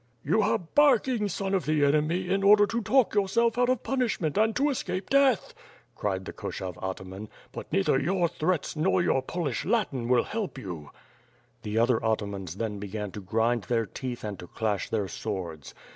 "You are barking, son of the enemy, in order to talk your self out of punishment, and to escape death!" cried the Koshov ataman; ''but neither your threats, nor your Polish Latin will help you." The other atarjians then began to grind their teeth and to clash their swords.